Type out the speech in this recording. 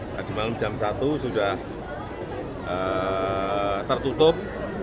tadi malam jam satu sudah tertutup